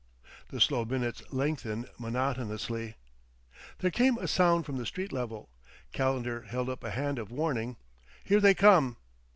The slow minutes lengthened monotonously. There came a sound from the street level. Calendar held up a hand of warning. "Here they come!